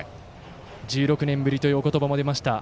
１６年ぶりというお言葉も出ました。